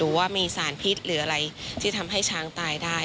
ว่ามีสารพิษหรืออะไรที่ทำให้ช้างตายได้